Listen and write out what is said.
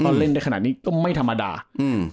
ก็เล่นได้ขนาดนี้ก็ไม่ธรรมดาอืม